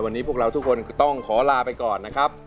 วันนี้พวกเราทุกคนต้องขอลาไปก่อนนะครับ